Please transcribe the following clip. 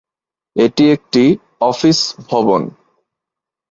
এটি একটি অফিস ভবন।